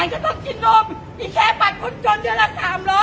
นี่ชีวิต